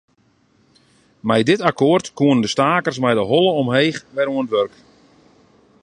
Mei dit akkoart koenen de stakers mei de holle omheech wer oan it wurk.